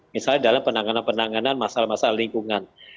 misalnya dalam penanganan penanganan masalah masalah lingkungan